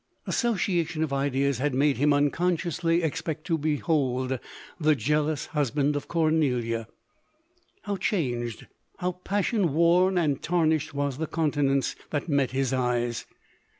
Associa tion of ideas had made him unconsciously ex pect to behold the jealous husband of Cornelia. How changed, how passion worn and tarnished was the countenance that met his eyes.